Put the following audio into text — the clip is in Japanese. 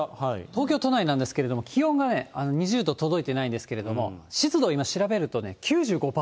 東京都内なんですけれども、気温がね、２０度届いていないんですけれども、湿度、今、調べるとね、９５％。